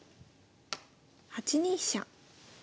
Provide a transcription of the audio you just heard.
８二飛車。